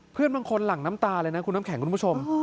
เพื่อนบางคนหลั่งน้ำตาเลยนะคุณน้ำแข็งคุณผู้ชม